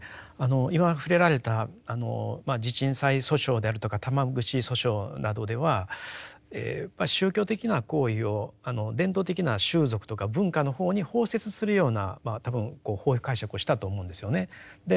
今触れられた地鎮祭訴訟であるとか玉串訴訟などではやっぱり宗教的な行為を伝統的な習俗とか文化の方に包摂するような多分法解釈をしたと思うんですよね。